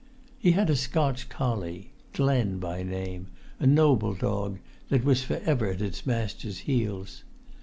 He had a Scotch collie, Glen by name, a noble dog, that was for ever at its master's heels.